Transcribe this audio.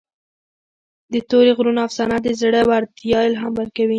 د تورې غرونو افسانه د زړه ورتیا الهام ورکوي.